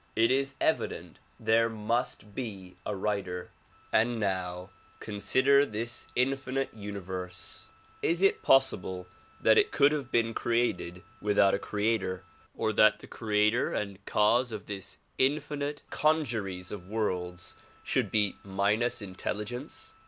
It is evident there must be a writer. And now consider this infinite universe. Is it possible that it could have been created without a creator? Or that the creator and cause of this infinite congeries of worlds should be minus intel ligence